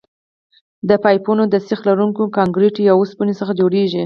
دا پایپونه د سیخ لرونکي کانکریټو یا اوسپنې څخه جوړیږي